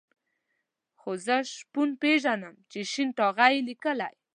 خو زه شپون پېژنم چې شين ټاغی یې لیکلی.